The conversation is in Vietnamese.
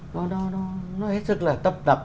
nó hết sức là tấp tập